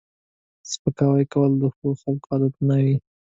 سپکاوی کول د ښو خلکو عادت نه دی